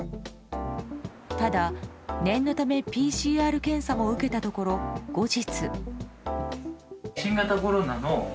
ただ念のためＰＣＲ検査も受けたところ、後日。